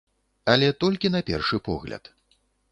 Але толькі на першы погляд.